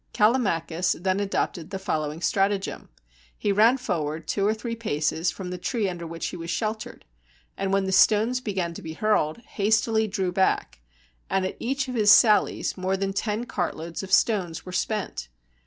Callimachus then adopted the following stratagem: he ran forward two or three paces from the tree under which he was sheltered, and when the stones began to be hurled, hastily drew back; and at each of his sallies more than ten cartloads of stones were spent.